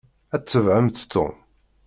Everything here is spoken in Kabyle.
Ad tebεent Tom.